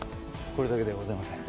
これだけではございません。